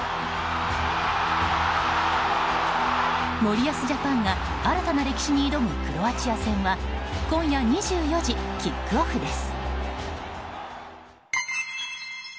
森保ジャパンが新たな歴史に挑むクロアチア戦は今夜２４時キックオフです。